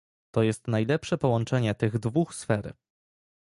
To jest najlepsze połączenie tych dwóch sfer